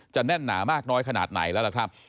แน่นหนามากน้อยขนาดไหนแล้วล่ะครับ